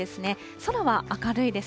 空は明るいです。